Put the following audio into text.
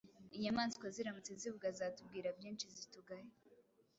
Inyamaswa ziramutse zivuga zatubwira byinshi zitugaya